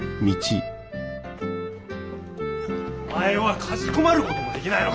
お前はかしこまることもできないのかよ！